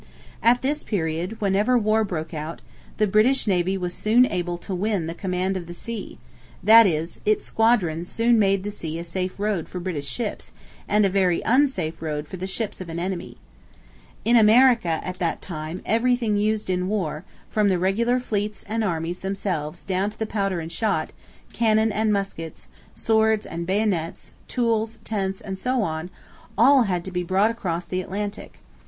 At this period, whenever war broke out, the British navy was soon able to win 'the command of the sea'; that is, its squadrons soon made the sea a safe road for British ships and a very unsafe road for the ships of an enemy. In America, at that time, everything used in war, from the regular fleets and armies themselves down to the powder and shot, cannon and muskets, swords and bayonets, tools, tents, and so on all had to be brought across the Atlantic.